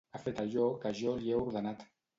Ha fet allò que jo li he ordenat.